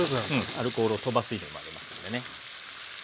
アルコールを飛ばす意図もありますんでね。